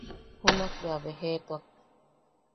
Junak bea a bejetuak.